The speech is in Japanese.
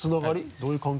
どういう関係？